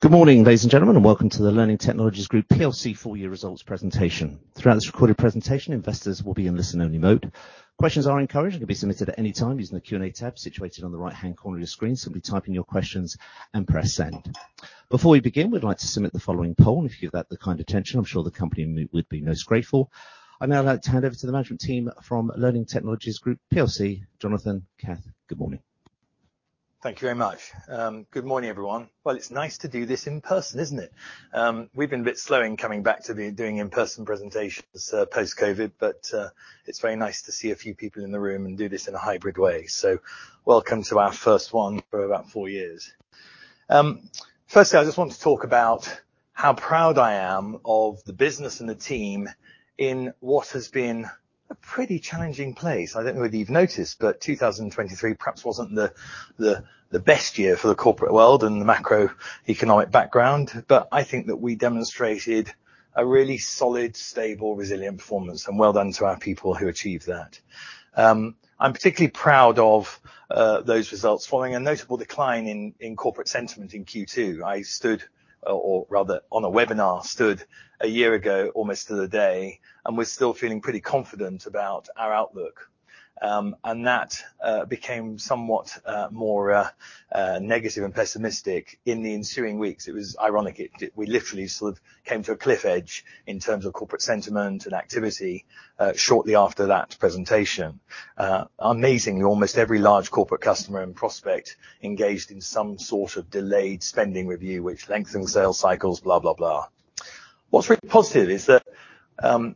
Good morning, ladies and gentlemen, and welcome to the Learning Technologies Group PLC Four-Year Results presentation. Throughout this recorded presentation, investors will be in listen-only mode. Questions are encouraged and can be submitted at any time using the Q&A tab situated on the right-hand corner of your screen. Simply type in your questions and press send. Before we begin, we'd like to submit the following poll, and if you give that the kind attention, I'm sure the company would be most grateful. I'd now like to hand over to the management team from Learning Technologies Group PLC, Jonathan, Kath, good morning. Thank you very much. Good morning, everyone. Well, it's nice to do this in person, isn't it? We've been a bit slow in coming back to doing in-person presentations, post-COVID, but it's very nice to see a few people in the room and do this in a hybrid way. So welcome to our first one for about four years. Firstly, I just want to talk about how proud I am of the business and the team in what has been a pretty challenging place. I don't know whether you've noticed, but 2023 perhaps wasn't the best year for the corporate world and the macroeconomic background. But I think that we demonstrated a really solid, stable, resilient performance, and well done to our people who achieved that. I'm particularly proud of those results, following a notable decline in corporate sentiment in Q2. I stood, or rather, on a webinar a year ago, almost to the day, and was still feeling pretty confident about our outlook. That became somewhat more negative and pessimistic in the ensuing weeks. It was ironic. We literally sort of came to a cliff edge in terms of corporate sentiment and activity, shortly after that presentation. Amazingly, almost every large corporate customer and prospect engaged in some sort of delayed spending review, which lengthens sales cycles, blah, blah, blah. What's really positive is that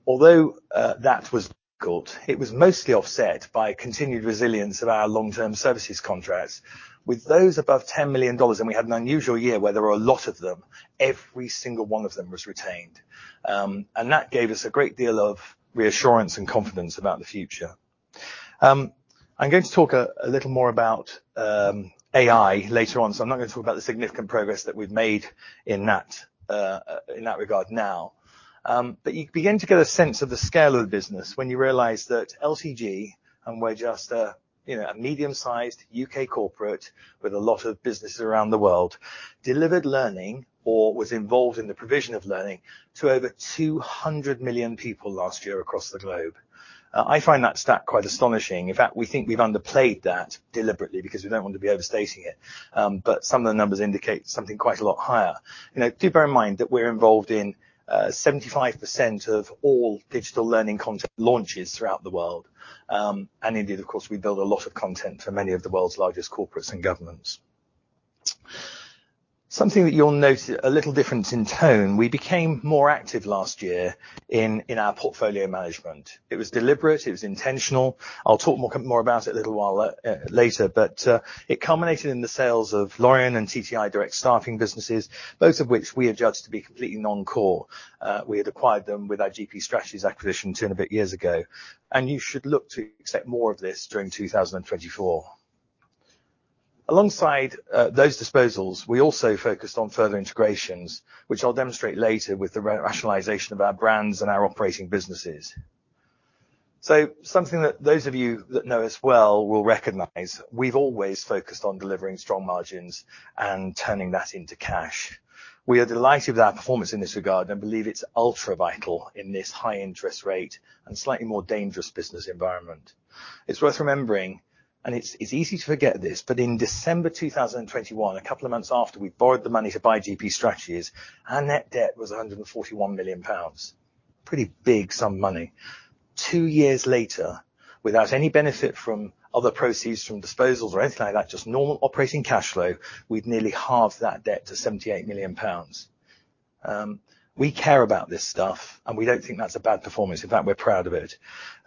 although that was difficult, it was mostly offset by continued resilience of our long-term services contracts. With those above $10 million—and we had an unusual year where there were a lot of them—every single one of them was retained. That gave us a great deal of reassurance and confidence about the future. I'm going to talk a little more about AI later on, so I'm not going to talk about the significant progress that we've made in that regard now. But you begin to get a sense of the scale of the business when you realize that LTG - and we're just a, you know, a medium-sized UK corporate with a lot of businesses around the world - delivered learning, or was involved in the provision of learning, to over 200 million people last year across the globe. I find that stat quite astonishing. In fact, we think we've underplayed that deliberately because we don't want to be overstating it. But some of the numbers indicate something quite a lot higher. You know, do bear in mind that we're involved in 75% of all digital learning content launches throughout the world. Indeed, of course, we build a lot of content for many of the world's largest corporates and governments. Something that you'll notice a little different in tone, we became more active last year in our portfolio management. It was deliberate. It was intentional. I'll talk more about it a little while later. But it culminated in the sales of Lorien and TTI direct staffing businesses, both of which we had judged to be completely non-core. We had acquired them with our GP Strategies acquisition turnabout years ago. You should look to expect more of this during 2024. Alongside those disposals, we also focused on further integrations, which I'll demonstrate later with the rationalization of our brands and our operating businesses. So something that those of you that know us well will recognize, we've always focused on delivering strong margins and turning that into cash. We are delighted with our performance in this regard and believe it's ultra-vital in this high-interest rate and slightly more dangerous business environment. It's worth remembering, and it's, it's easy to forget this, but in December 2021, a couple of months after we borrowed the money to buy GP Strategies, our net debt was 141 million pounds. Pretty big sum of money. 2 years later, without any benefit from other proceeds from disposals or anything like that, just normal operating cash flow, we'd nearly halved that debt to 78 million pounds. We care about this stuff, and we don't think that's a bad performance. In fact, we're proud of it.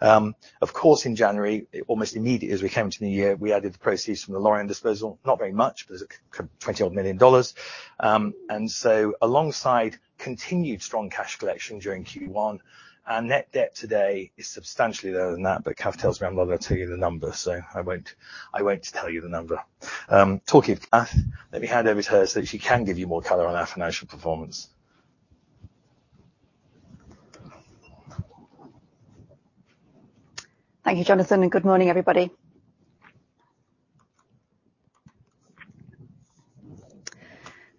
Of course, in January, almost immediately as we came into the year, we added the proceeds from the Lorien disposal. Not very much, but it was circa $20-odd million. And so, alongside continued strong cash collection during Q1, our Net Debt today is substantially lower than that, but Kath tells me I'm not going to tell you the number, so I won't I won't tell you the number. Talking of Kath, let me hand over to her so that she can give you more color on our financial performance. Thank you, Jonathan, and good morning, everybody.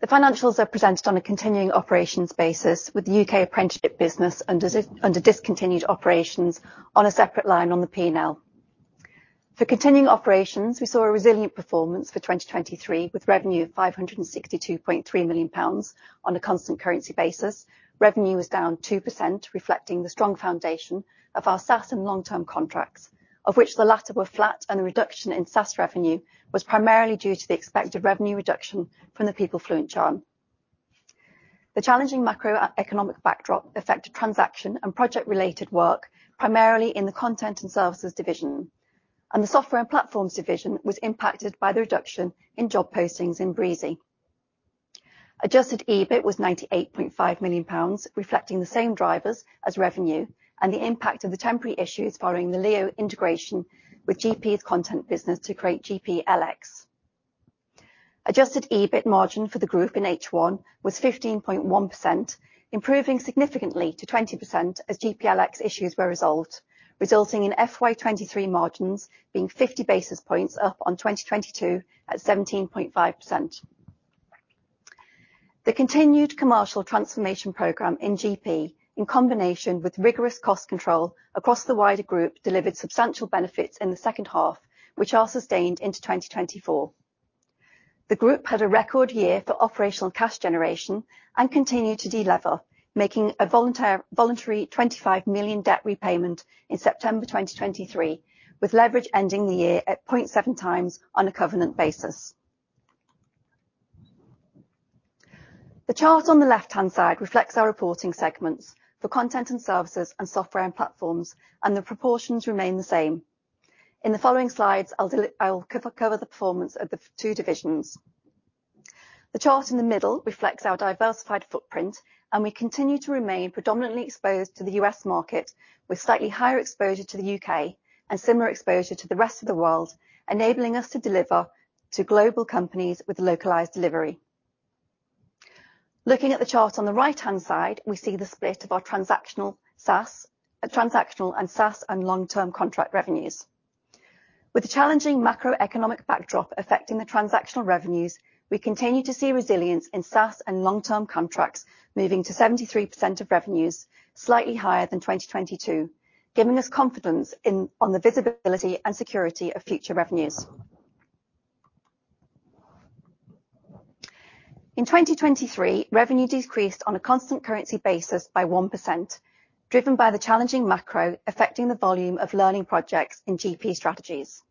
The financials are presented on a continuing operations basis with the UK apprenticeship business under discontinued operations on a separate line on the P&L. For continuing operations, we saw a resilient performance for 2023 with revenue of 562.3 million pounds on a constant currency basis. Revenue was down 2%, reflecting the strong foundation of our SaaS and long-term contracts, of which the latter were flat and the reduction in SaaS revenue was primarily due to the expected revenue reduction from the PeopleFluent churn. The challenging macroeconomic backdrop affected transaction and project-related work primarily in the content and services division, and the software and platforms division was impacted by the reduction in job postings in Breezy. Adjusted EBIT was 98.5 million pounds, reflecting the same drivers as revenue and the impact of the temporary issues following the Leo integration with GP's content business to create GPLX. Adjusted EBIT margin for the group in H1 was 15.1%, improving significantly to 20% as GPLX issues were resolved, resulting in FY23 margins being 50 basis points up on 2022 at 17.5%. The continued commercial transformation program in GP, in combination with rigorous cost control across the wider group, delivered substantial benefits in the second half, which are sustained into 2024. The group had a record year for operational cash generation and continued to delever, making a voluntary 25 million debt repayment in September 2023, with leverage ending the year at 0.7 times on a covenant basis. The chart on the left-hand side reflects our reporting segments for content and services and software and platforms, and the proportions remain the same. In the following slides, I'll cover the performance of the two divisions. The chart in the middle reflects our diversified footprint, and we continue to remain predominantly exposed to the U.S. market with slightly higher exposure to the U.K. and similar exposure to the rest of the world, enabling us to deliver to global companies with localized delivery. Looking at the chart on the right-hand side, we see the split of our transactional and SaaS and long-term contract revenues. With the challenging macroeconomic backdrop affecting the transactional revenues, we continue to see resilience in SaaS and long-term contracts moving to 73% of revenues, slightly higher than 2022, giving us confidence in the visibility and security of future revenues. In 2023, revenue decreased on a constant currency basis by 1%, driven by the challenging macro affecting the volume of learning projects in GP Strategies.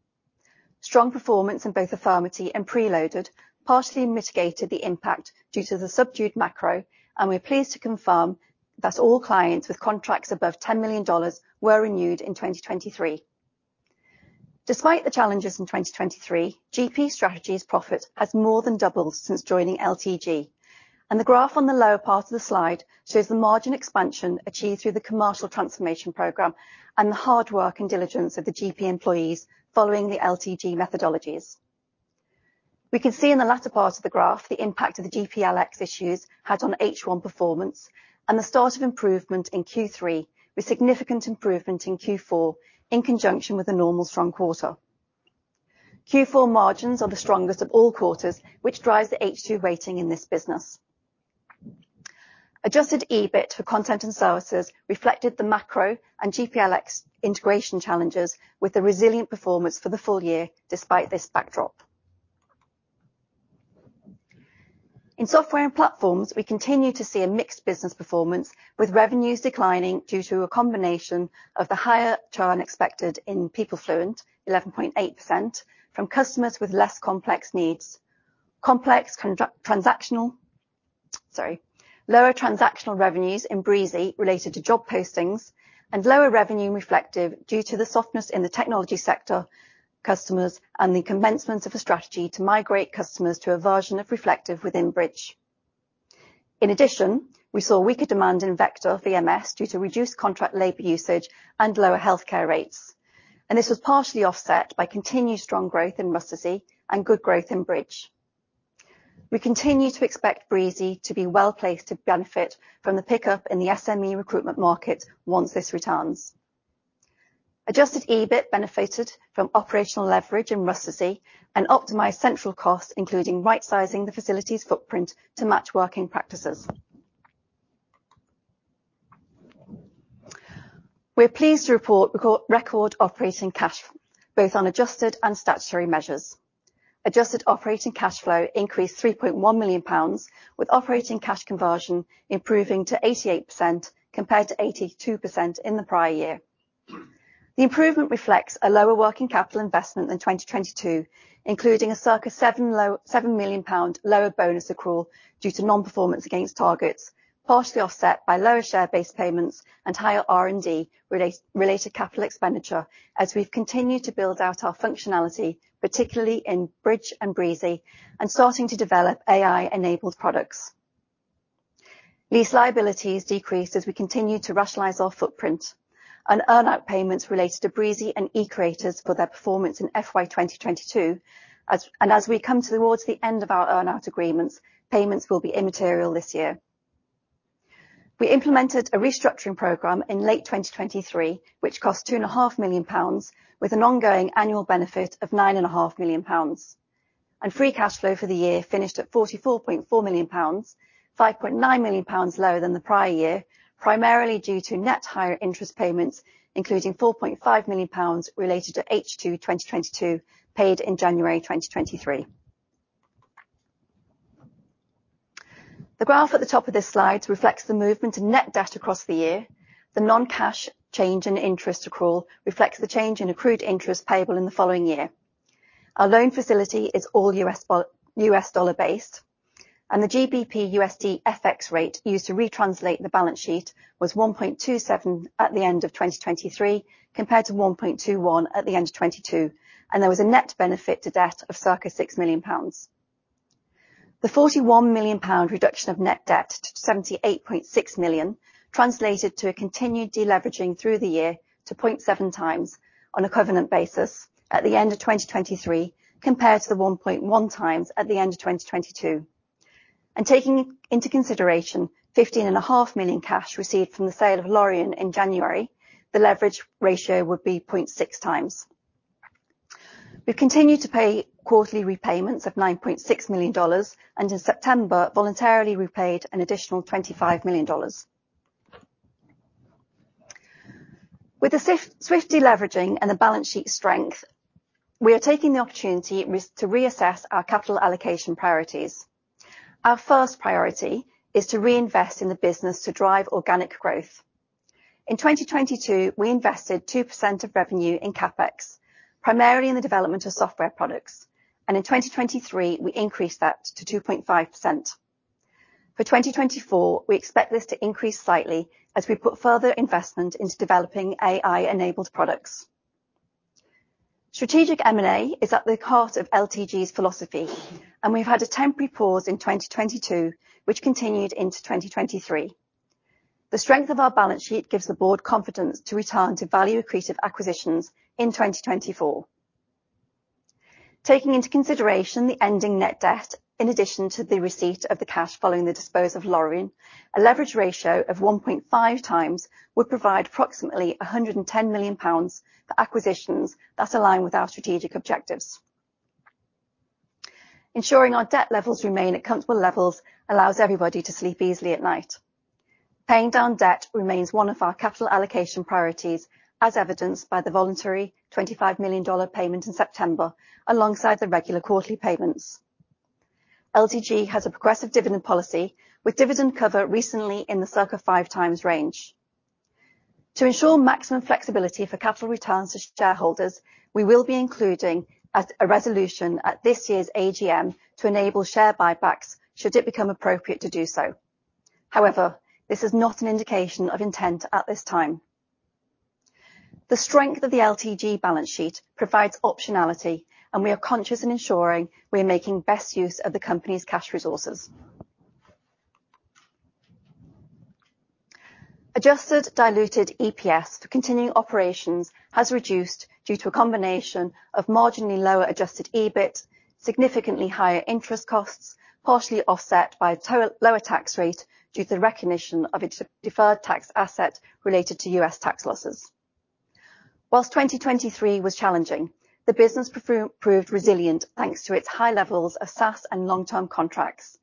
Strong performance in both Affirmity and PRELOADED partially mitigated the impact due to the subdued macro, and we're pleased to confirm that all clients with contracts above $10 million were renewed in 2023. Despite the challenges in 2023, GP Strategies' profit has more than doubled since joining LTG, and the graph on the lower part of the slide shows the margin expansion achieved through the commercial transformation program and the hard work and diligence of the GP employees following the LTG methodologies. We can see in the latter part of the graph the impact of the GPLX issues had on H1 performance and the start of improvement in Q3 with significant improvement in Q4 in conjunction with a normal strong quarter. Q4 margins are the strongest of all quarters, which drives the H2 rating in this business. Adjusted EBIT for content and services reflected the macro and GPLX integration challenges with the resilient performance for the full year despite this backdrop. In software and platforms, we continue to see a mixed business performance with revenues declining due to a combination of the higher churn expected in PeopleFluent, 11.8%, from customers with less complex needs, sorry, lower transactional revenues in Breezy related to job postings, and lower revenue in Reflektive due to the softness in the technology sector customers and the commencements of a strategy to migrate customers to a version of Reflektive within Bridge. In addition, we saw weaker demand in VectorVMS due to reduced contract labor usage and lower healthcare rates. And this was partially offset by continued strong growth in Rustici and good growth in Bridge. We continue to expect Breezy to be well placed to benefit from the pickup in the SME recruitment market once this returns. Adjusted EBIT benefited from operational leverage in Rustici and optimized central costs, including right-sizing the facility's footprint to match working practices. We're pleased to report record operating cash flow, both on adjusted and statutory measures. Adjusted operating cash flow increased 3.1 million pounds, with operating cash conversion improving to 88% compared to 82% in the prior year. The improvement reflects a lower working capital investment than 2022, including a circa 7 million pound lower bonus accrual due to non-performance against targets, partially offset by lower share-based payments and higher R&D-related capital expenditure as we've continued to build out our functionality, particularly in Bridge and Breezy, and starting to develop AI-enabled products. Lease liabilities decreased as we continue to rationalize our footprint and earn-out payments related to Breezy and eCreators for their performance in FY2022. As we come towards the end of our earn-out agreements, payments will be immaterial this year. We implemented a restructuring program in late 2023, which cost 2.5 million pounds, with an ongoing annual benefit of 9.5 million pounds. Free cash flow for the year finished at 44.4 million pounds, 5.9 million pounds lower than the prior year, primarily due to net higher interest payments, including 4.5 million pounds related to H2 2022 paid in January 2023. The graph at the top of this slide reflects the movement in net debt across the year. The non-cash change in interest accrual reflects the change in accrued interest payable in the following year. Our loan facility is all USD, US dollar-based, and the GBP/USD FX rate used to retranslate the balance sheet was 1.27 at the end of 2023 compared to 1.21 at the end of 2022. There was a net benefit to debt of circa 6 million pounds. The 41 million pound reduction of net debt to 78.6 million translated to a continued deleveraging through the year to 0.7 times on a covenant basis at the end of 2023 compared to the 1.1 times at the end of 2022. Taking into consideration 15.5 million cash received from the sale of Lorien in January, the leverage ratio would be 0.6 times. We've continued to pay quarterly repayments of $9.6 million and in September, voluntarily repaid an additional $25 million. With the swift deleveraging and the balance sheet strength, we are taking the opportunity to reassess our capital allocation priorities. Our first priority is to reinvest in the business to drive organic growth. In 2022, we invested 2% of revenue in CapEx, primarily in the development of software products. In 2023, we increased that to 2.5%. For 2024, we expect this to increase slightly as we put further investment into developing AI-enabled products. Strategic M&A is at the heart of LTG's philosophy, and we've had a temporary pause in 2022, which continued into 2023. The strength of our balance sheet gives the board confidence to return to value accretive acquisitions in 2024. Taking into consideration the ending net debt, in addition to the receipt of the cash following the disposal of Lorien, a leverage ratio of 1.5 times would provide approximately 110 million pounds for acquisitions that align with our strategic objectives. Ensuring our debt levels remain at comfortable levels allows everybody to sleep easily at night. Paying down debt remains one of our capital allocation priorities, as evidenced by the voluntary $25 million payment in September alongside the regular quarterly payments. LTG has a progressive dividend policy, with dividend cover recently in the circa five times range. To ensure maximum flexibility for capital returns to shareholders, we will be including a resolution at this year's AGM to enable share buybacks should it become appropriate to do so. However, this is not an indication of intent at this time. The strength of the LTG balance sheet provides optionality, and we are conscious in ensuring we are making best use of the company's cash resources. Adjusted diluted EPS for continuing operations has reduced due to a combination of marginally lower adjusted EBIT, significantly higher interest costs, partially offset by a lower tax rate due to the recognition of its deferred tax asset related to U.S. tax losses. While 2023 was challenging, the business proved resilient thanks to its high levels of SaaS and long-term contracts.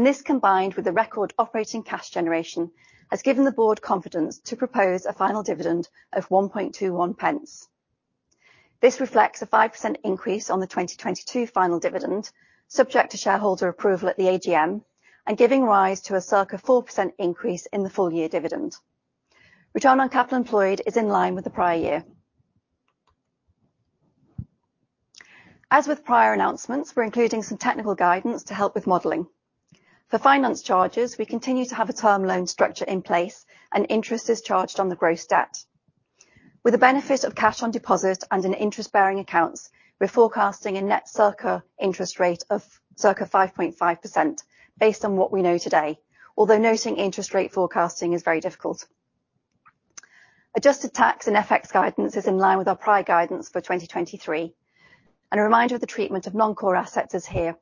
This combined with the record operating cash generation has given the board confidence to propose a final dividend of 0.0121. This reflects a 5% increase on the 2022 final dividend subject to shareholder approval at the AGM and giving rise to a circa 4% increase in the full year dividend. Return on capital employed is in line with the prior year. As with prior announcements, we're including some technical guidance to help with modeling. For finance charges, we continue to have a term loan structure in place, and interest is charged on the gross debt. With the benefit of cash on deposit and in interest-bearing accounts, we're forecasting a net circa interest rate of circa 5.5% based on what we know today, although noting interest rate forecasting is very difficult. Adjusted tax and FX guidance is in line with our prior guidance for 2023. A reminder of the treatment of non-core assets is here.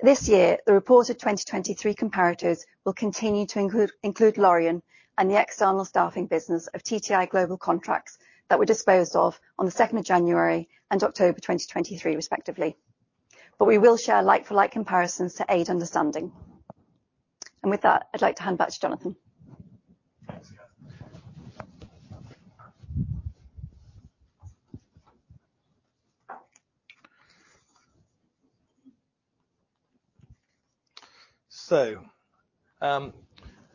This year, the reported 2023 comparators will continue to include Lorien and the external staffing business of TTI Global contracts that were disposed of on the 2nd of January and October 2023, respectively. But we will share like-for-like comparisons to aid understanding. And with that, I'd like to hand back to Jonathan. Thanks, Katharina. So,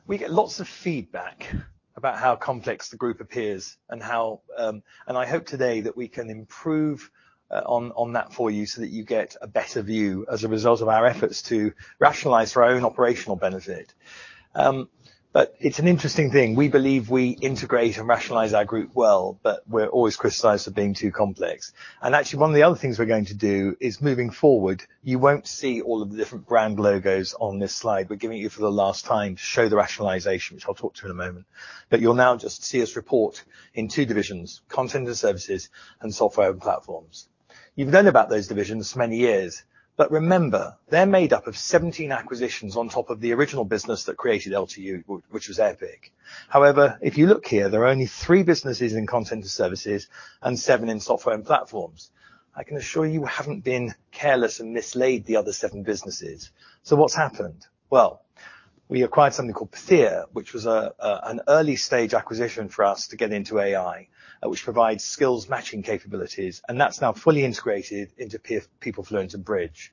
we get lots of feedback about how complex the group appears, and I hope today that we can improve on that for you so that you get a better view as a result of our efforts to rationalize our own operational benefit. It's an interesting thing. We believe we integrate and rationalize our group well, but we're always criticized for being too complex. Actually, one of the other things we're going to do is, moving forward, you won't see all of the different brand logos on this slide. We're giving it to you for the last time to show the rationalization, which I'll talk to you about in a moment. But you'll now just see us report in two divisions, content and services and software and platforms. You've known about those divisions for many years, but remember, they're made up of 17 acquisitions on top of the original business that created LTG, which was Epic. However, if you look here, there are only 3 businesses in content and services and 7 in software and platforms. I can assure you we haven't been careless and mislaid the other 7 businesses. So what's happened? Well, we acquired something called Patheer, which was an early-stage acquisition for us to get into AI, which provides skills matching capabilities, and that's now fully integrated into PeopleFluent and Bridge.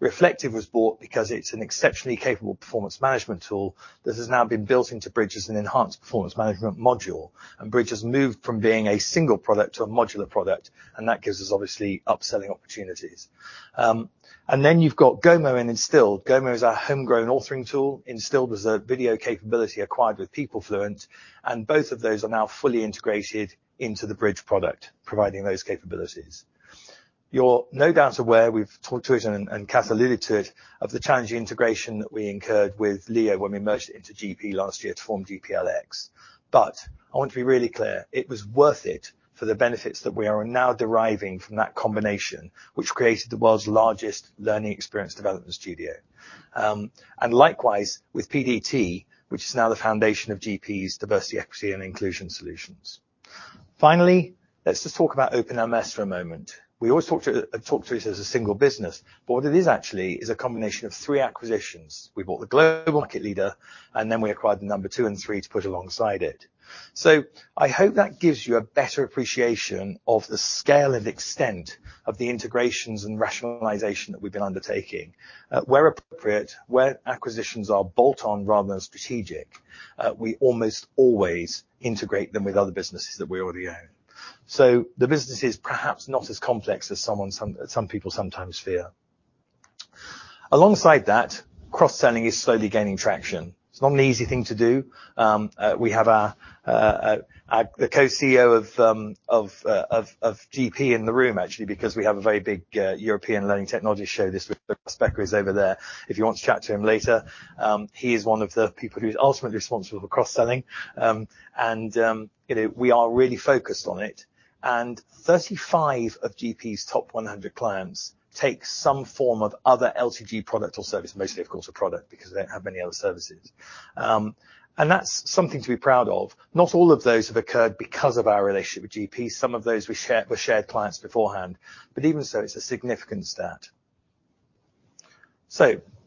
Reflektive was bought because it's an exceptionally capable performance management tool that has now been built into Bridge as an enhanced performance management module. And Bridge has moved from being a single product to a modular product, and that gives us obviously upselling opportunities. And then you've got Gomo and Instilled. Gomo is our homegrown authoring tool. Instilled was a video capability acquired with PeopleFluent, and both of those are now fully integrated into the Bridge product, providing those capabilities. You're no doubt aware we've talked to it and, and Katharina alluded to it of the challenging integration that we incurred with Leo when we merged it into GP last year to form GPLX. But I want to be really clear. It was worth it for the benefits that we are now deriving from that combination, which created the world's largest learning experience development studio. And likewise with PDT, which is now the foundation of GP's diversity, equity, and inclusion solutions. Finally, let's just talk about Open LMS for a moment. We always talk to it as a single business, but what it is actually is a combination of three acquisitions. We bought the global market leader, and then we acquired the number two and three to put alongside it. So I hope that gives you a better appreciation of the scale and extent of the integrations and rationalization that we've been undertaking. Where appropriate, where acquisitions are bolt-on rather than strategic, we almost always integrate them with other businesses that we already own. So the business is perhaps not as complex as some people sometimes fear. Alongside that, cross-selling is slowly gaining traction. It's not an easy thing to do. We have our co-CEO of GP in the room, actually, because we have a very big European Learning Technologies show this week. Rustici Becker is over there. If you want to chat to him later, he is one of the people who's ultimately responsible for cross-selling. And, you know, we are really focused on it. 35 of GP's top 100 clients take some form of other LTG product or service, mostly, of course, a product because they don't have many other services. That's something to be proud of. Not all of those have occurred because of our relationship with GP. Some of those we share were shared clients beforehand. But even so, it's a significant stat.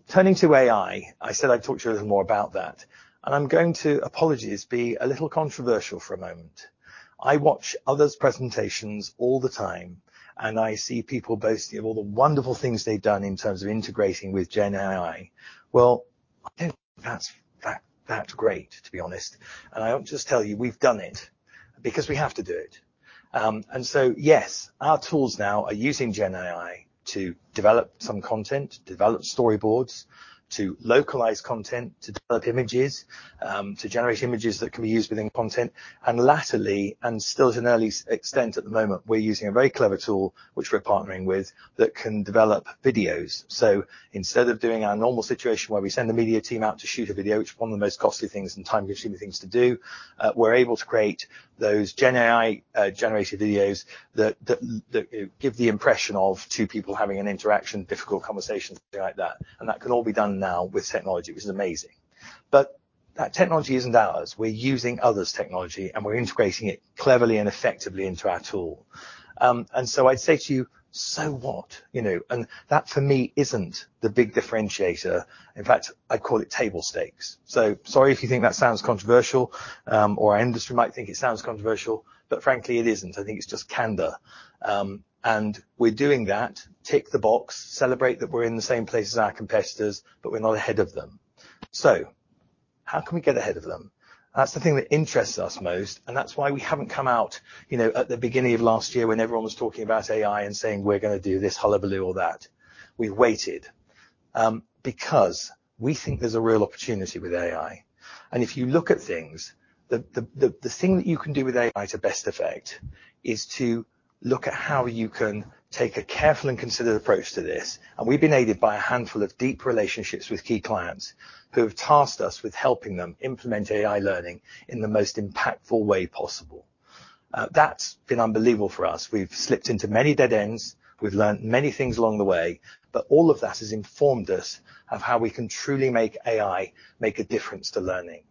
Turning to AI, I said I'd talk to you a little more about that. And I'm going to apologize, but be a little controversial for a moment. I watch others' presentations all the time, and I see people boasting of all the wonderful things they've done in terms of integrating with GenAI. Well, I don't think that's that, that great, to be honest. And I won't just tell you, we've done it because we have to do it. And so, yes, our tools now are using GenAI to develop some content, to develop storyboards, to localize content, to develop images, to generate images that can be used within content. And latterly, and still to an early extent at the moment, we're using a very clever tool, which we're partnering with, that can develop videos. So instead of doing our normal situation where we send the media team out to shoot a video, which is one of the most costly things and time-consuming things to do, we're able to create those GenAI-generated videos that, you know, give the impression of two people having an interaction, difficult conversation, something like that. And that can all be done now with technology, which is amazing. But that technology isn't ours. We're using others' technology, and we're integrating it cleverly and effectively into our tool. And so I'd say to you, "So what?" You know? And that, for me, isn't the big differentiator. In fact, I call it table stakes. So sorry if you think that sounds controversial, or our industry might think it sounds controversial, but frankly, it isn't. I think it's just candor. And we're doing that. Tick the box. Celebrate that we're in the same place as our competitors, but we're not ahead of them. So how can we get ahead of them? That's the thing that interests us most, and that's why we haven't come out, you know, at the beginning of last year when everyone was talking about AI and saying, "We're going to do this hullabaloo or that." We've waited, because we think there's a real opportunity with AI. And if you look at things, the thing that you can do with AI to best effect is to look at how you can take a careful and considered approach to this. And we've been aided by a handful of deep relationships with key clients who have tasked us with helping them implement AI learning in the most impactful way possible. That's been unbelievable for us. We've slipped into many dead ends. We've learned many things along the way, but all of that has informed us of how we can truly make AI make a difference to learning.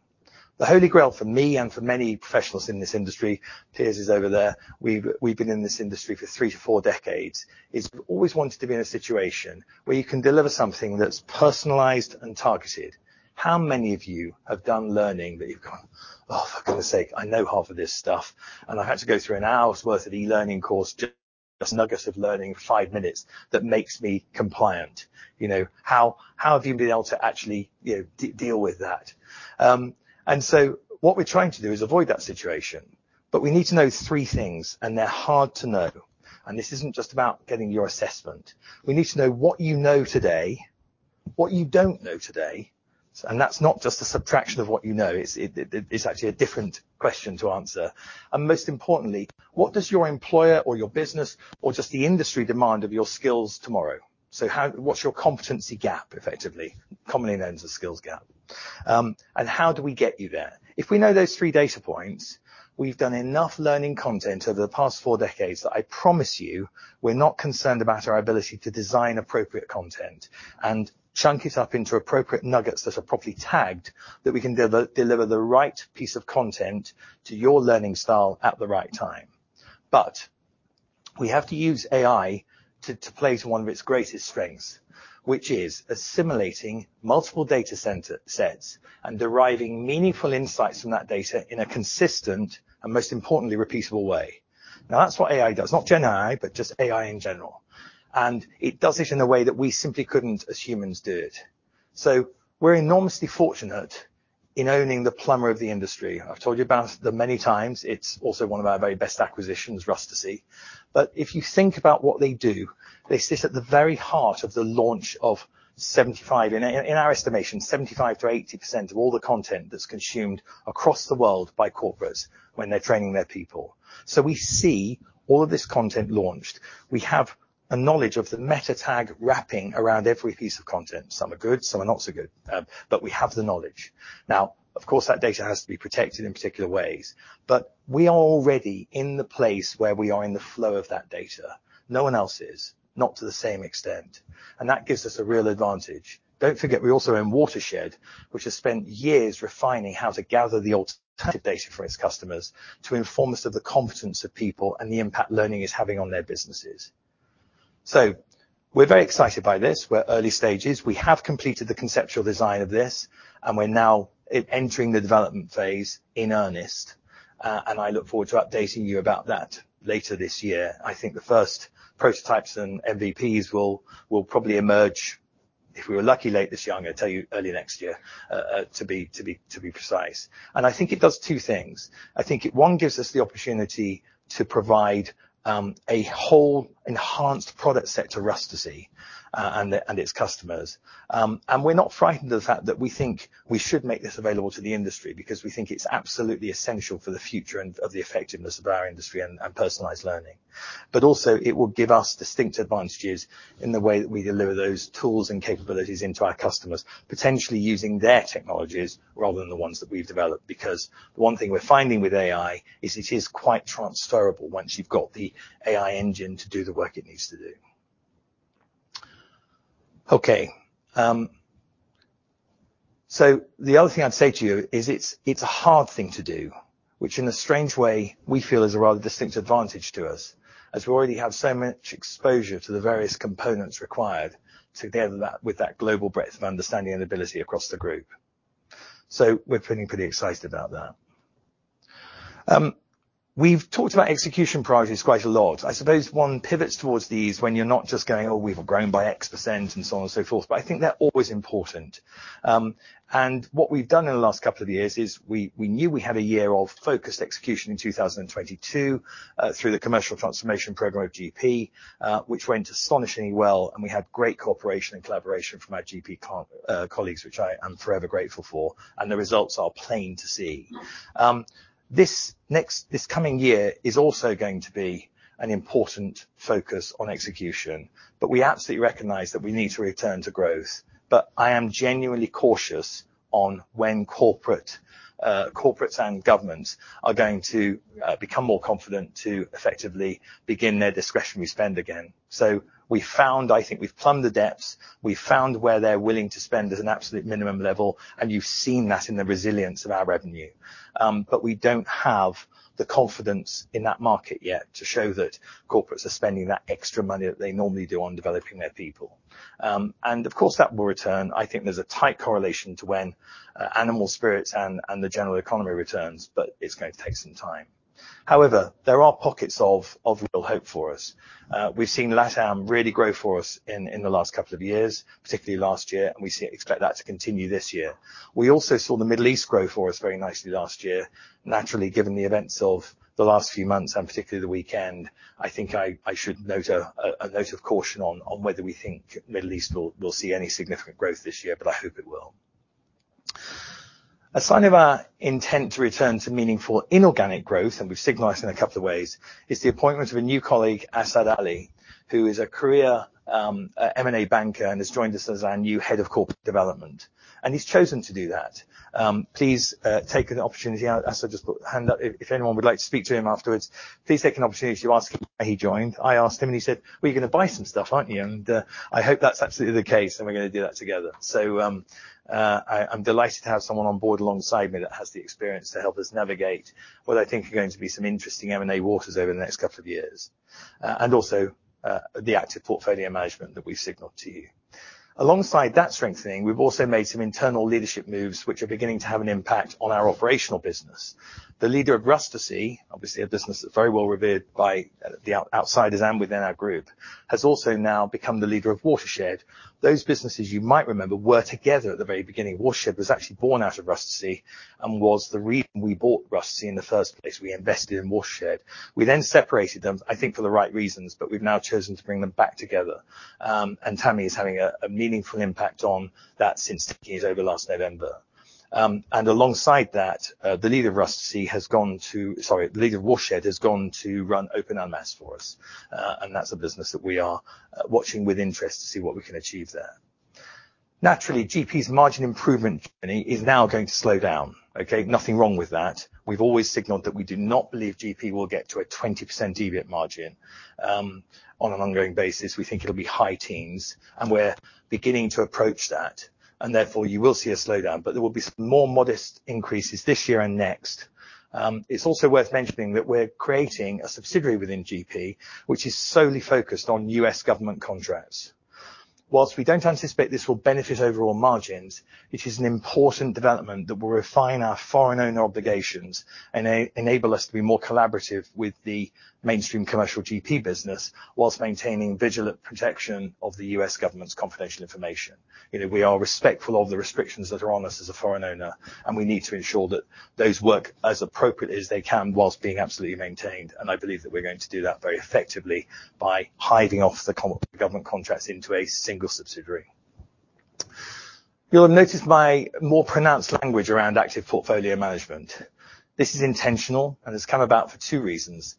The holy grail for me and for many professionals in this industry - Piers is over there. We've been in this industry for 3-4 decades - is always wanting to be in a situation where you can deliver something that's personalized and targeted. How many of you have done learning that you've gone, "Oh, for goodness sake, I know half of this stuff, and I've had to go through an hour's worth of e-learning course, just nuggets of learning, five minutes, that makes me compliant"? You know? How have you been able to actually, you know, deal with that? So what we're trying to do is avoid that situation. But we need to know three things, and they're hard to know. This isn't just about getting your assessment. We need to know what you know today, what you don't know today. That's not just a subtraction of what you know. It's actually a different question to answer. Most importantly, what does your employer or your business or just the industry demand of your skills tomorrow? So how what's your competency gap, effectively, commonly known as a skills gap? And how do we get you there? If we know those three data points, we've done enough learning content over the past four decades that I promise you we're not concerned about our ability to design appropriate content and chunk it up into appropriate nuggets that are properly tagged that we can deliver, deliver the right piece of content to your learning style at the right time. But we have to use AI to, to play to one of its greatest strengths, which is assimilating multiple data center sets and deriving meaningful insights from that data in a consistent and most importantly, repeatable way. Now, that's what AI does. Not GenAI, but just AI in general. And it does it in a way that we simply couldn't as humans do it. So we're enormously fortunate in owning the plumbing of the industry. I've told you about the many times. It's also one of our very best acquisitions, Rustici. But if you think about what they do, they sit at the very heart of the launch of 75, in our estimation, 75%-80% of all the content that's consumed across the world by corporates when they're training their people. So we see all of this content launched. We have a knowledge of the meta tag wrapping around every piece of content. Some are good. Some are not so good, but we have the knowledge. Now, of course, that data has to be protected in particular ways. But we are already in the place where we are in the flow of that data. No one else is, not to the same extent. And that gives us a real advantage. Don't forget, we also own Watershed, which has spent years refining how to gather the alternative data for its customers to inform us of the competence of people and the impact learning is having on their businesses. So we're very excited by this. We're early stages. We have completed the conceptual design of this, and we're now entering the development phase in earnest. And I look forward to updating you about that later this year. I think the first prototypes and MVPs will probably emerge. If we were lucky late this year, I'm going to tell you early next year, to be precise. And I think it does two things. I think it one gives us the opportunity to provide a whole enhanced product set to Rustici and its customers. and we're not frightened of the fact that we think we should make this available to the industry because we think it's absolutely essential for the future and of the effectiveness of our industry and personalized learning. But also, it will give us distinct advantages in the way that we deliver those tools and capabilities into our customers, potentially using their technologies rather than the ones that we've developed because the one thing we're finding with AI is it is quite transferable once you've got the AI engine to do the work it needs to do. Okay. So the other thing I'd say to you is it's, it's a hard thing to do, which in a strange way, we feel is a rather distinct advantage to us as we already have so much exposure to the various components required together with that global breadth of understanding and ability across the group. So we're feeling pretty excited about that. We've talked about execution priorities quite a lot. I suppose one pivots towards these when you're not just going, "Oh, we've grown by X%," and so on and so forth. But I think they're always important. And what we've done in the last couple of years is we, we knew we had a year of focused execution in 2022, through the commercial transformation program of GP, which went astonishingly well, and we had great cooperation and collaboration from our GP colleagues, which I am forever grateful for. The results are plain to see. This next this coming year is also going to be an important focus on execution, but we absolutely recognize that we need to return to growth. But I am genuinely cautious on when corporate, corporates and governments are going to become more confident to effectively begin their discretionary spend again. So we found, I think, we've plumbed the depths. We found where they're willing to spend as an absolute minimum level, and you've seen that in the resilience of our revenue. But we don't have the confidence in that market yet to show that corporates are spending that extra money that they normally do on developing their people. And of course, that will return. I think there's a tight correlation to when animal spirits and the general economy returns, but it's going to take some time. However, there are pockets of real hope for us. We've seen LATAM really grow for us in the last couple of years, particularly last year, and we expect that to continue this year. We also saw the Middle East grow for us very nicely last year, naturally, given the events of the last few months and particularly the weekend. I think I should note a note of caution on whether we think Middle East will see any significant growth this year, but I hope it will. A sign of our intent to return to meaningful inorganic growth, and we've signaled in a couple of ways, is the appointment of a new colleague, Asad Ali, who is a career M&A banker and has joined us as our new head of corporate development. And he's chosen to do that. Please take an opportunity out. Assad just put hand up. If anyone would like to speak to him afterwards, please take an opportunity to ask him why he joined. I asked him, and he said, "We're going to buy some stuff, aren't we?" I hope that's absolutely the case, and we're going to do that together. So, I'm delighted to have someone on board alongside me that has the experience to help us navigate what I think are going to be some interesting M&A waters over the next couple of years, and also, the active portfolio management that we've signaled to you. Alongside that strengthening, we've also made some internal leadership moves, which are beginning to have an impact on our operational business. The leader of Rustici, obviously a business that's very well revered by the outsiders and within our group, has also now become the leader of Watershed. Those businesses you might remember were together at the very beginning. Watershed was actually born out of Rustici and was the reason we bought Rustici in the first place. We invested in Watershed. We then separated them, I think, for the right reasons, but we've now chosen to bring them back together. Tammy is having a meaningful impact on that since taking it over last November. Alongside that, the leader of Rustici has gone to—sorry, the leader of Watershed has gone to run Open LMS for us. That's a business that we are watching with interest to see what we can achieve there. Naturally, GP's margin improvement journey is now going to slow down, okay? Nothing wrong with that. We've always signaled that we do not believe GP will get to a 20% EBITDA margin. On an ongoing basis, we think it'll be high teens, and we're beginning to approach that. Therefore, you will see a slowdown, but there will be some more modest increases this year and next. It's also worth mentioning that we're creating a subsidiary within GP, which is solely focused on U.S. government contracts. Whilst we don't anticipate this will benefit overall margins, it is an important development that will refine our foreign owner obligations and enable us to be more collaborative with the mainstream commercial GP business whilst maintaining vigilant protection of the U.S. government's confidential information. You know, we are respectful of the restrictions that are on us as a foreign owner, and we need to ensure that those work as appropriately as they can whilst being absolutely maintained. I believe that we're going to do that very effectively by hiving off the common government contracts into a single subsidiary. You'll have noticed my more pronounced language around active portfolio management. This is intentional, and it's come about for two reasons.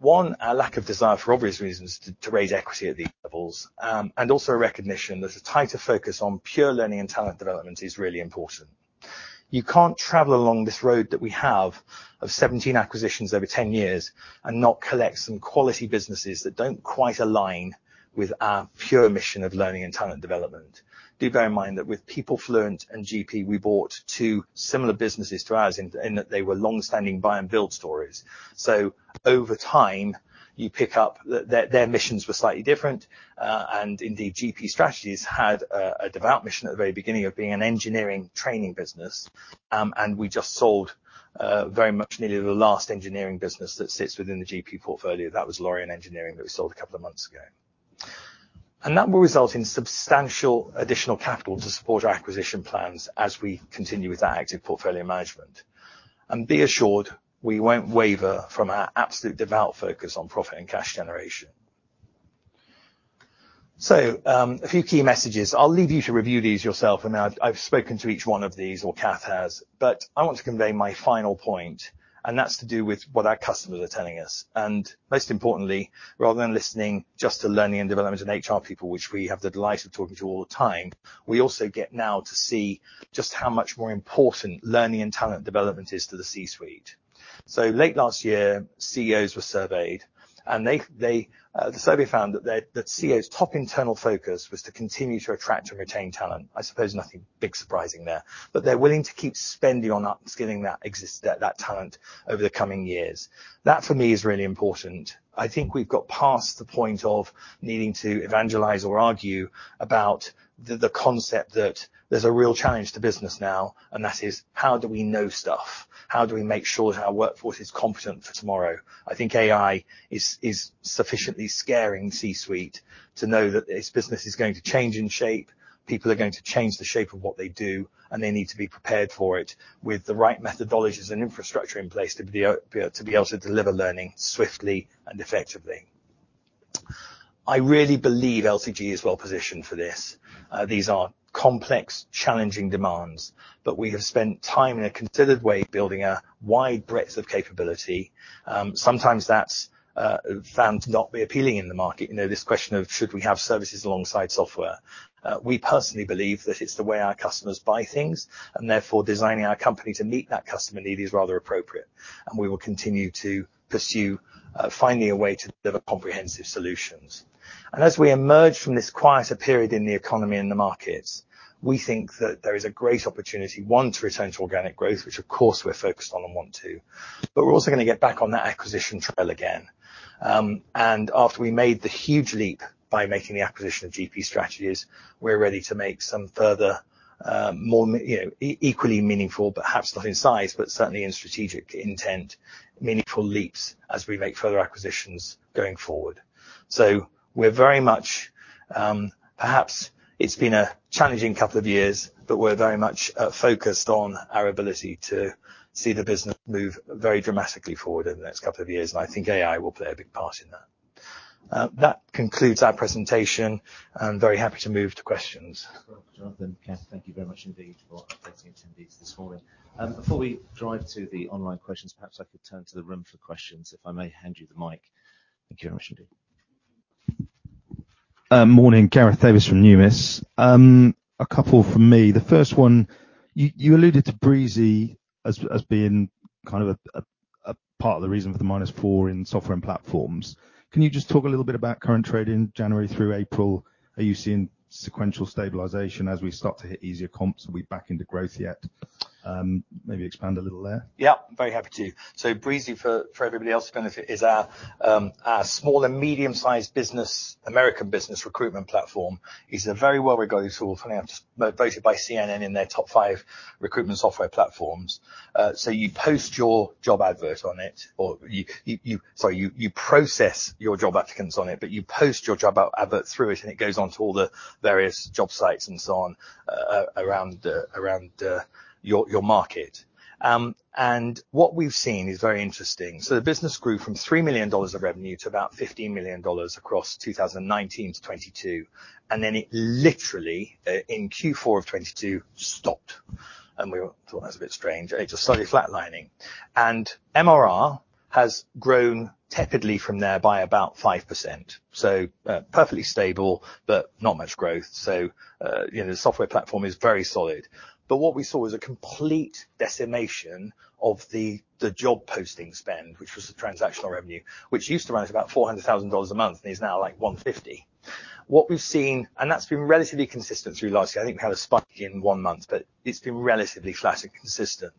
One, our lack of desire for obvious reasons to raise equity at these levels, and also a recognition that a tighter focus on pure learning and talent development is really important. You can't travel along this road that we have of 17 acquisitions over 10 years and not collect some quality businesses that don't quite align with our pure mission of learning and talent development. Do bear in mind that with PeopleFluent and GP, we bought two similar businesses to ours in that they were longstanding buy-and-build stories. So over time, you pick up that their missions were slightly different. And indeed, GP Strategies had a devout mission at the very beginning of being an engineering training business. And we just sold, very much nearly the last engineering business that sits within the GP portfolio. That was Lorien Engineering that we sold a couple of months ago. And that will result in substantial additional capital to support our acquisition plans as we continue with our active portfolio management. And be assured, we won't waver from our absolute devout focus on profit and cash generation. So, a few key messages. I'll leave you to review these yourself, and I've, I've spoken to each one of these, or Kath has. But I want to convey my final point, and that's to do with what our customers are telling us. Most importantly, rather than listening just to learning and development and HR people, which we have the delight of talking to all the time, we also get now to see just how much more important learning and talent development is to the C-suite. Late last year, CEOs were surveyed, and the survey found that CEOs' top internal focus was to continue to attract and retain talent. I suppose nothing big surprising there. But they're willing to keep spending on upskilling that talent over the coming years. That, for me, is really important. I think we've got past the point of needing to evangelize or argue about the concept that there's a real challenge to business now, and that is, how do we know stuff? How do we make sure that our workforce is competent for tomorrow? I think AI is sufficiently scaring the C-suite to know that its business is going to change in shape. People are going to change the shape of what they do, and they need to be prepared for it with the right methodologies and infrastructure in place to be able to deliver learning swiftly and effectively. I really believe LTG is well positioned for this. These are complex, challenging demands, but we have spent time in a considered way building a wide breadth of capability. Sometimes that's found to not be appealing in the market. You know, this question of, should we have services alongside software? We personally believe that it's the way our customers buy things, and therefore, designing our company to meet that customer need is rather appropriate. We will continue to pursue, finding a way to deliver comprehensive solutions. As we emerge from this quieter period in the economy and the markets, we think that there is a great opportunity, one, to return to organic growth, which of course, we're focused on and want to. But we're also going to get back on that acquisition trail again. After we made the huge leap by making the acquisition of GP Strategies, we're ready to make some further, more, you know, equally meaningful, perhaps not in size, but certainly in strategic intent, meaningful leaps as we make further acquisitions going forward. So we're very much, perhaps it's been a challenging couple of years, but we're very much focused on our ability to see the business move very dramatically forward in the next couple of years, and I think AI will play a big part in that. That concludes our presentation. I'm very happy to move to questions. Jonathan and Kath, thank you very much indeed for updating attendees this morning. Before we drive to the online questions, perhaps I could turn to the room for questions if I may hand you the mic. Thank you very much, indeed. Morning, Gareth Davies from Numis. A couple from me. The first one, you alluded to Breezy as being kind of a part of the reason for the -4 in software and platforms. Can you just talk a little bit about current trade in January through April? Are you seeing sequential stabilization as we start to hit easier comps? Are we back into growth yet? Maybe expand a little there. Yep, very happy to. So Breezy, for everybody else to benefit, is our small and medium-sized business American business recruitment platform. It's a very well-regarded tool, funny enough, just voted by CNN in their top five recruitment software platforms. So you post your job advert on it, or you, sorry, you process your job applicants on it, but you post your job advert through it, and it goes on to all the various job sites and so on, around your market. And what we've seen is very interesting. So the business grew from $3 million of revenue to about $15 million across 2019 to 2022, and then it literally, in Q4 of 2022, stopped. And we thought that was a bit strange. It just started flatlining. And MRR has grown tepidly from there by about 5%. So, perfectly stable, but not much growth. So, you know, the software platform is very solid. But what we saw was a complete decimation of the job posting spend, which was the transactional revenue, which used to run at about $400,000 a month and is now like $150,000. What we've seen, and that's been relatively consistent through last year. I think we had a spike in one month, but it's been relatively flat and consistent.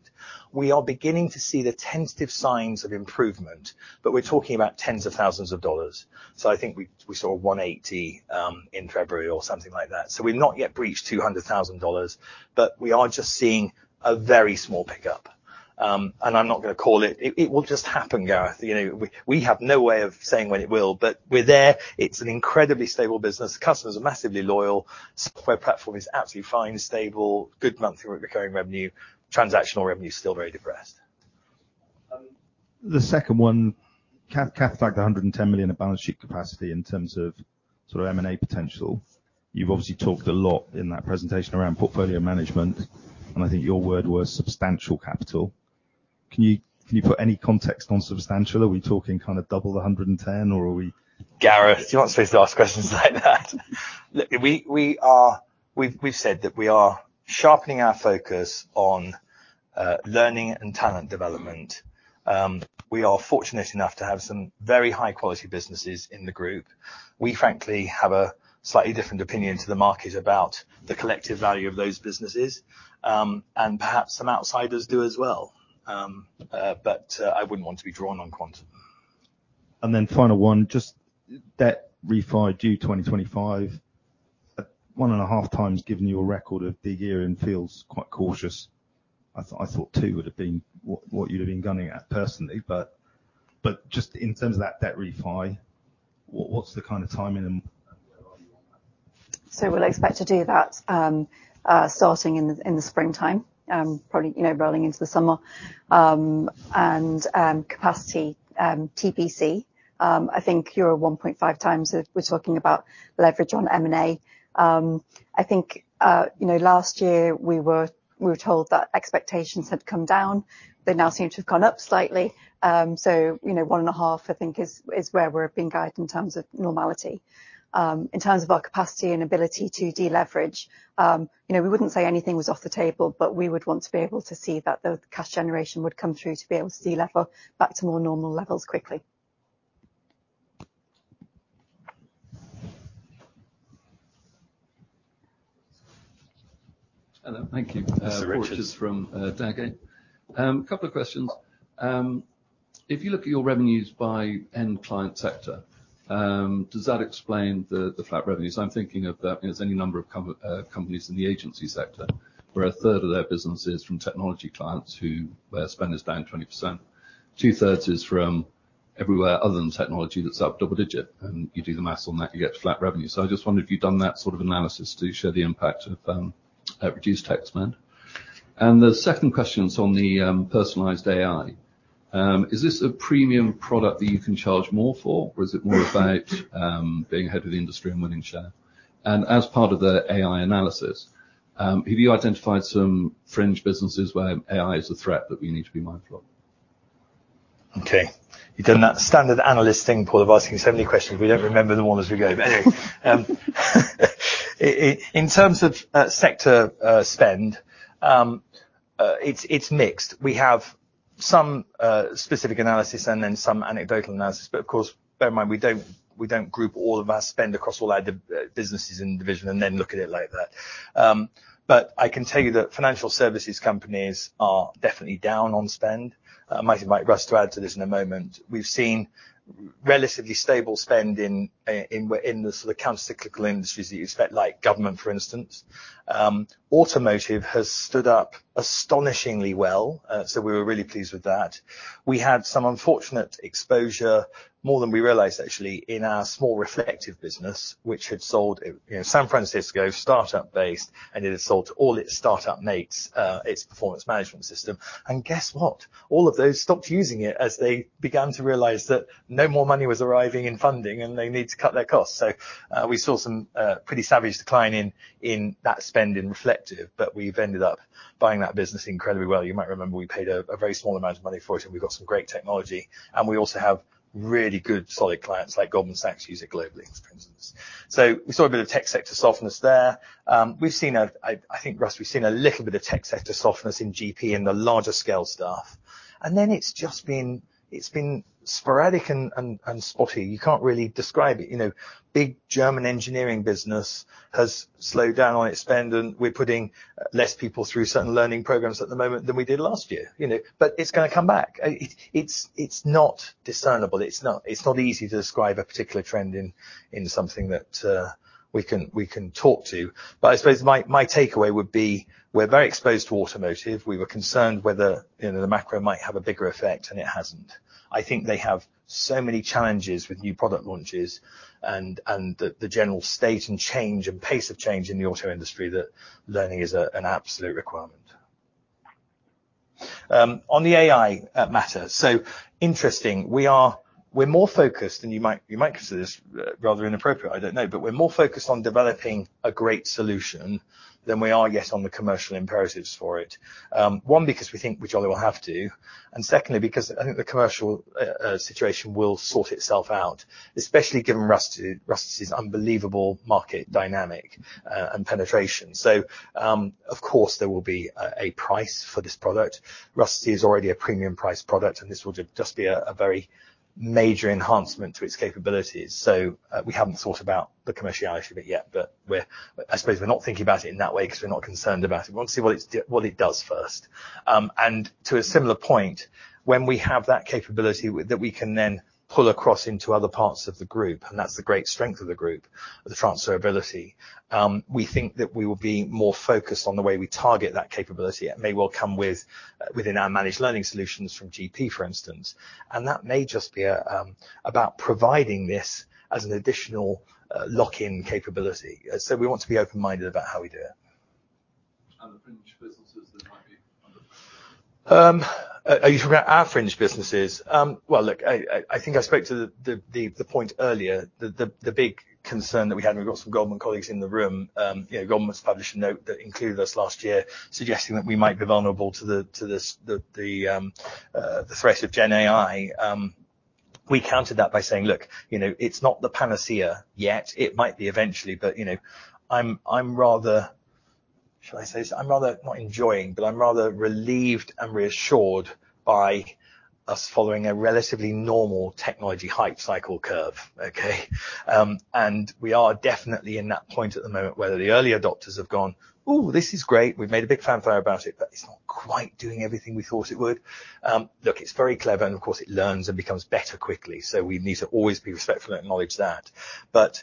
We are beginning to see the tentative signs of improvement, but we're talking about tens of thousands of dollars. So I think we saw $180,000 in February or something like that. So we've not yet breached $200,000, but we are just seeing a very small pickup. And I'm not going to call it. It will just happen, Gareth. You know, we have no way of saying when it will, but we're there. It's an incredibly stable business. Customers are massively loyal. Software platform is absolutely fine, stable, good monthly recurring revenue. Transactional revenue's still very depressed. The second one, Kath, Kath tagged 110 million of balance sheet capacity in terms of sort of M&A potential. You've obviously talked a lot in that presentation around portfolio management, and I think your word was substantial capital. Can you, can you put any context on substantial? Are we talking kind of double the 110, or are we? Gareth, you're not supposed to ask questions like that. Look, we've said that we are sharpening our focus on learning and talent development. We are fortunate enough to have some very high-quality businesses in the group. We, frankly, have a slightly different opinion to the market about the collective value of those businesses, and perhaps some outsiders do as well. But, I wouldn't want to be drawn on quantum. And then final one, just debt refi due 2025, 1.5x given your record of big year end feels quite cautious. I thought, I thought 2 would have been what, what you'd have been gunning at personally, but, but just in terms of that debt refi, what's the kind of timing and? So we'll expect to do that, starting in the springtime, probably, you know, rolling into the summer. And capacity, TPC, I think you're a 1.5x of we're talking about leverage on M&A. I think, you know, last year, we were told that expectations had come down. They now seem to have gone up slightly. So, you know, 1.5, I think, is where we're being guided in terms of normality. In terms of our capacity and ability to deleverage, you know, we wouldn't say anything was off the table, but we would want to be able to see that the cash generation would come through to be able to delever back to more normal levels quickly. Hello. Thank you. This is Richard. Sir Richard. From Davy. Couple of questions. If you look at your revenues by end client sector, does that explain the flat revenues? I'm thinking of that, you know, as any number of companies in the agency sector, where a third of their business is from technology clients who, where spend is down 20%. Two-thirds is from everywhere other than technology that's up double digit, and you do the math on that, you get flat revenue. So I just wondered if you'd done that sort of analysis to share the impact of reduced tech spend. And the second question's on the personalized AI. Is this a premium product that you can charge more for, or is it more about being ahead of the industry and winning share? As part of the AI analysis, have you identified some fringe businesses where AI is a threat that we need to be mindful of? Okay. You've done that standard analyst thing, Paul, of asking so many questions. We don't remember them all as we go. But anyway, in terms of sector spend, it's mixed. We have some specific analysis and then some anecdotal analysis, but of course, bear in mind, we don't group all of our spend across all our different businesses and divisions and then look at it like that. But I can tell you that financial services companies are definitely down on spend. Mike might rush to add to this in a moment. We've seen relatively stable spend in the sort of countercyclical industries that you expect, like government, for instance. Automotive has stood up astonishingly well, so we were really pleased with that. We had some unfortunate exposure, more than we realized, actually, in our small Reflektive business, which had sold it, you know, San Francisco, startup-based, and it had sold to all its startup mates, its performance management system. And guess what? All of those stopped using it as they began to realize that no more money was arriving in funding, and they need to cut their costs. So, we saw some, pretty savage decline in, in that spend in Reflektive, but we've ended up buying that business incredibly well. You might remember we paid a, a very small amount of money for it, and we've got some great technology. And we also have really good, solid clients like Goldman Sachs use it globally, for instance. So we saw a bit of tech sector softness there. We've seen a—I think, Rustici—a little bit of tech sector softness in GP and the larger-scale staff. And then it's just been sporadic and spotty. You can't really describe it. You know, big German engineering business has slowed down on its spend, and we're putting less people through certain learning programs at the moment than we did last year, you know? But it's going to come back. It's not discernible. It's not easy to describe a particular trend in something that we can talk to. But I suppose my takeaway would be, we're very exposed to automotive. We were concerned whether, you know, the macro might have a bigger effect, and it hasn't. I think they have so many challenges with new product launches and the general state and change and pace of change in the auto industry that learning is an absolute requirement. On the AI matter. So interesting. We're more focused and you might consider this rather inappropriate, I don't know, but we're more focused on developing a great solution than we are yet on the commercial imperatives for it. One, because we think we jolly will have to, and secondly, because I think the commercial situation will sort itself out, especially given Rustici's unbelievable market dynamic and penetration. So, of course, there will be a price for this product. Rustici's is already a premium-priced product, and this will just be a very major enhancement to its capabilities. So, we haven't thought about the commerciality of it yet, but I suppose we're not thinking about it in that way because we're not concerned about it. We want to see what it does first. And to a similar point, when we have that capability that we can then pull across into other parts of the group, and that's the great strength of the group, the transferability, we think that we will be more focused on the way we target that capability. It may well come within our managed learning solutions from GP, for instance. And that may just be about providing this as an additional, lock-in capability. So we want to be open-minded about how we do it. The fringe businesses that might be under pressure? Are you talking about our fringe businesses? Well, look, I think I spoke to the point earlier, the big concern that we had, and we've got some Goldman colleagues in the room, you know, Goldman's published a note that included us last year suggesting that we might be vulnerable to the threat of Gen AI. We countered that by saying, "Look, you know, it's not the panacea yet. It might be eventually, but, you know, I'm rather" should I say so? I'm rather not enjoying, but I'm rather relieved and reassured by us following a relatively normal technology hype cycle curve, okay? And we are definitely in that point at the moment where the early adopters have gone, "Ooh, this is great. We've made a big fanfare about it, but it's not quite doing everything we thought it would." Look, it's very clever, and of course, it learns and becomes better quickly, so we need to always be respectful and acknowledge that. But,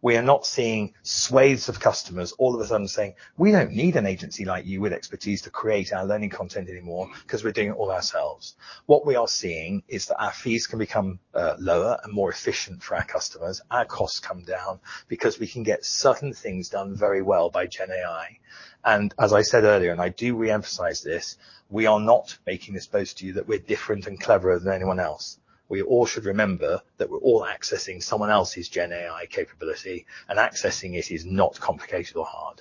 we are not seeing swathes of customers all of a sudden saying, "We don't need an agency like you with expertise to create our learning content anymore because we're doing it all ourselves." What we are seeing is that our fees can become lower and more efficient for our customers, our costs come down because we can get certain things done very well by Gen AI. And as I said earlier, and I do reemphasize this, we are not making this point to you that we're different and cleverer than anyone else. We all should remember that we're all accessing someone else's GenAI capability, and accessing it is not complicated or hard.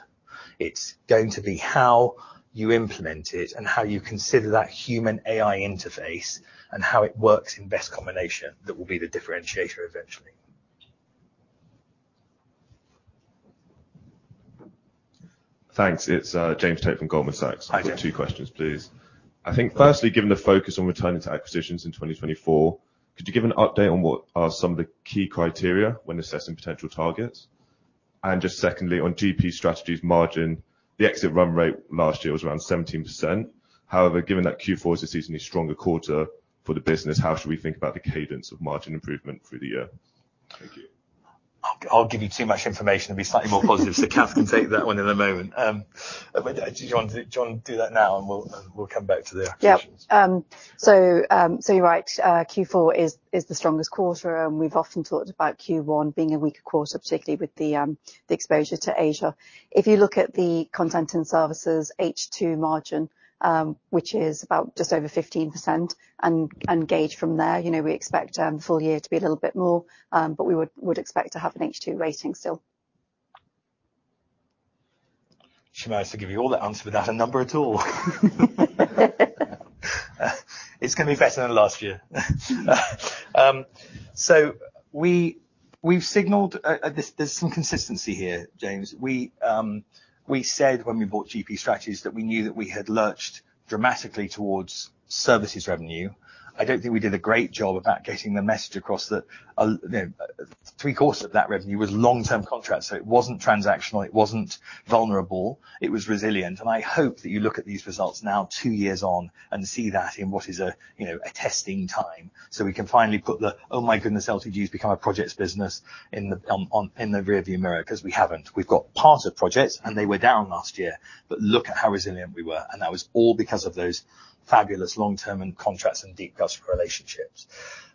It's going to be how you implement it and how you consider that human-AI interface and how it works in best combination that will be the differentiator eventually. Thanks. It's James Tate from Goldman Sachs. I've got two questions, please. I think firstly, given the focus on returning to acquisitions in 2024, could you give an update on what are some of the key criteria when assessing potential targets? And just secondly, on GP Strategies margin, the exit run rate last year was around 17%. However, given that Q4 is a seasonally stronger quarter for the business, how should we think about the cadence of margin improvement through the year? Thank you. I'll give you too much information. It'll be slightly more positive, so Kath can take that one in a moment. Do you want to do, John? Do that now, and we'll come back to the acquisitions? Yeah, so you're right. Q4 is the strongest quarter, and we've often talked about Q1 being a weaker quarter, particularly with the exposure to Asia. If you look at the content and services H2 margin, which is about just over 15%, and gauge from there, you know, we expect the full year to be a little bit more, but we would expect to have an H2 rating still. Should I also give you all that answer without a number at all? It's going to be better than last year. We’ve signalled there’s some consistency here, James. We said when we bought GP Strategies that we knew that we had lurched dramatically towards services revenue. I don't think we did a great job about getting the message across that, you know, three-quarters of that revenue was long-term contracts, so it wasn't transactional, it wasn't vulnerable, it was resilient. And I hope that you look at these results now, two years on, and see that in what is, you know, a testing time so we can finally put the, "Oh my goodness, LTG's become a projects business," in the rearview mirror because we haven't. We've got part of projects, and they were down last year, but look at how resilient we were, and that was all because of those fabulous long-term and contracts and deep customer relationships.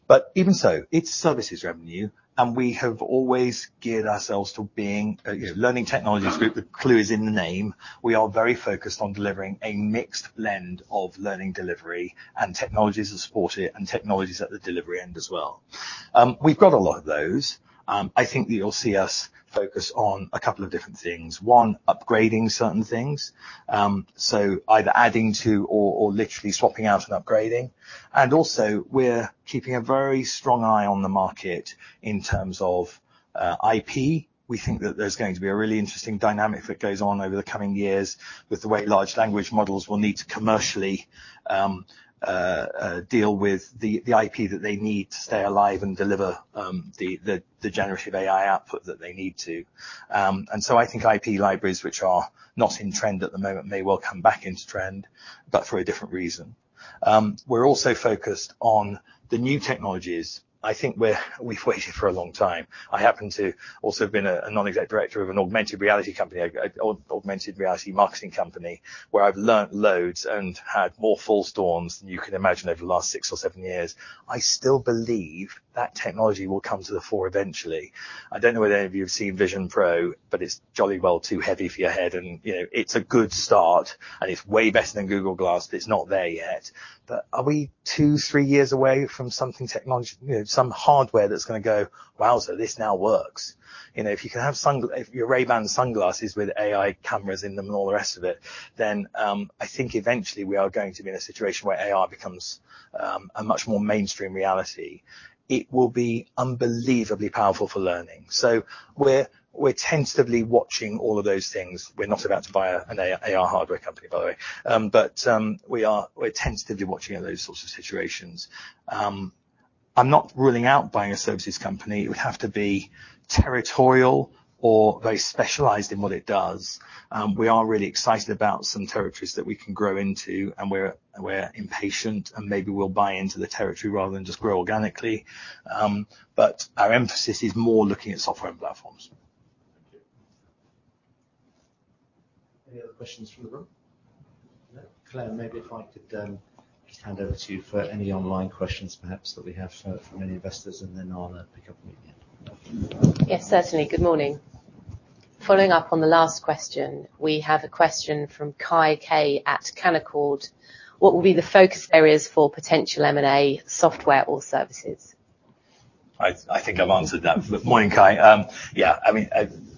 But even so, it's services revenue, and we have always geared ourselves to being a, you know, Learning Technologies Group. The clue is in the name. We are very focused on delivering a mixed blend of learning delivery and technologies that support it and technologies at the delivery end as well. We've got a lot of those. I think that you'll see us focus on a couple of different things. One, upgrading certain things, so either adding to or literally swapping out and upgrading. And also, we're keeping a very strong eye on the market in terms of, IP. We think that there's going to be a really interesting dynamic that goes on over the coming years with the way large language models will need to commercially deal with the IP that they need to stay alive and deliver the generative AI output that they need to. And so I think IP libraries which are not in trend at the moment may well come back into trend, but for a different reason. We're also focused on the new technologies. I think we've waited for a long time. I happen to also have been a non-executive director of an augmented reality company, an augmented reality marketing company where I've learned loads and had more false alarms than you can imagine over the last six or seven years. I still believe that technology will come to the fore eventually. I don't know whether any of you have seen Vision Pro, but it's jolly well too heavy for your head, and, you know, it's a good start, and it's way better than Google Glass, but it's not there yet. But are we 2-3 years away from something technological, you know, some hardware that's going to go, "Wow, so this now works"? You know, if you can have some of your Ray-Ban sunglasses with AI cameras in them and all the rest of it, then, I think eventually we are going to be in a situation where AI becomes a much more mainstream reality. It will be unbelievably powerful for learning. So we're tentatively watching all of those things. We're not about to buy an AI hardware company, by the way. But we are tentatively watching those sorts of situations. I'm not ruling out buying a services company. It would have to be territorial or very specialized in what it does. We are really excited about some territories that we can grow into, and we're, and we're impatient, and maybe we'll buy into the territory rather than just grow organically. But our emphasis is more looking at software and platforms. Thank you. Any other questions from the room? Claire, maybe if I could just hand over to you for any online questions, perhaps, that we have for many investors, and then I'll pick up with you at the end. Yes, certainly. Good morning. Following up on the last question, we have a question from Kai Korschelt at Canaccord Genuity. What will be the focus areas for potential M&A, software or services? I think I've answered that, but morning, Kai. Yeah, I mean,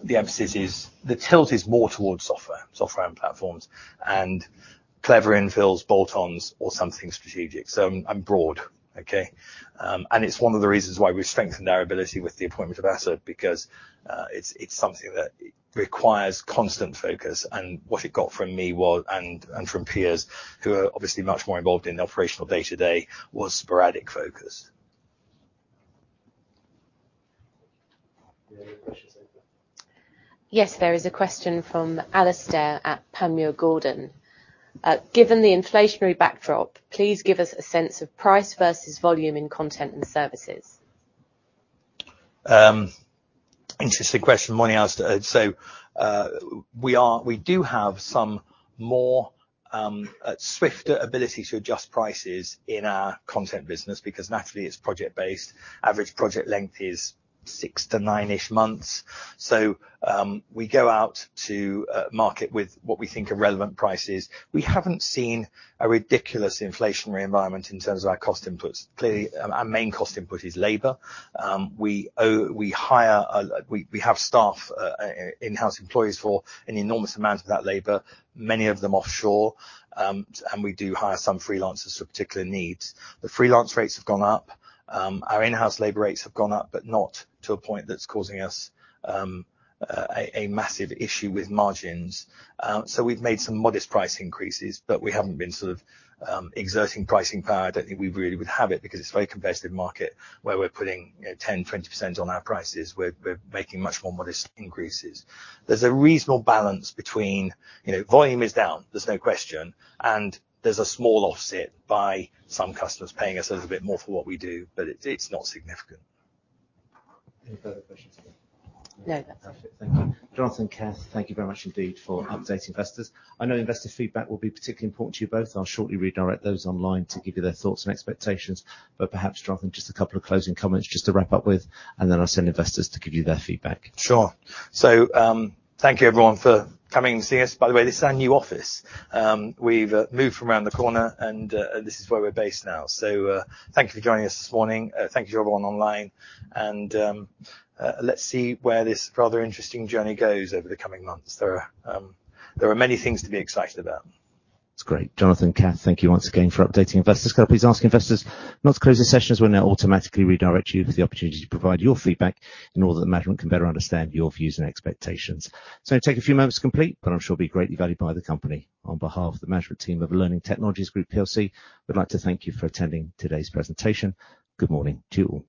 the emphasis is the tilt is more towards software, software and platforms, and clever infills, bolt-ons, or something strategic. So I'm broad, okay? And it's one of the reasons why we've strengthened our ability with the appointment of Assad because it's something that requires constant focus, and what it got from me was, and from Piers who are obviously much more involved in the operational day-to-day was sporadic focus. Any other questions, April? Yes, there is a question from Alastair at Panmure Gordon. Given the inflationary backdrop, please give us a sense of price versus volume in content and services. Interesting question. Morning, Alastair. So, we do have some more swifter ability to adjust prices in our content business because naturally it's project-based. Average project length is 6-9-ish months. So, we go out to market with what we think are relevant prices. We haven't seen a ridiculous inflationary environment in terms of our cost inputs. Clearly, our main cost input is labor. We hire, we have staff in-house employees for an enormous amount of that labor, many of them offshore, and we do hire some freelancers for particular needs. The freelance rates have gone up. Our in-house labor rates have gone up, but not to a point that's causing us a massive issue with margins. So we've made some modest price increases, but we haven't been sort of exerting pricing power. I don't think we really would have it because it's a very competitive market where we're putting, you know, 10%-20% on our prices. We're making much more modest increases. There's a reasonable balance between, you know, volume is down, there's no question, and there's a small offset by some customers paying us a little bit more for what we do, but it's not significant. Any further questions? No, that's it. Perfect. Thank you. Jonathan, Kath, thank you very much indeed for updating investors. I know investor feedback will be particularly important to you both. I'll shortly redirect those online to give you their thoughts and expectations, but perhaps, Jonathan, just a couple of closing comments just to wrap up with, and then I'll send investors to give you their feedback. Sure. So, thank you, everyone, for coming and seeing us. By the way, this is our new office. We've moved from around the corner, and this is where we're based now. So, thank you for joining us this morning. Thank you, everyone, online. And, let's see where this rather interesting journey goes over the coming months. There are, there are many things to be excited about. It's great. Jonathan, Kath, thank you once again for updating investors. Can I please ask investors not to close the sessions when they automatically redirect you for the opportunity to provide your feedback in order that management can better understand your views and expectations? It's going to take a few moments to complete, but I'm sure it'll be greatly valued by the company. On behalf of the management team of Learning Technologies Group PLC, we'd like to thank you for attending today's presentation. Good morning to you all.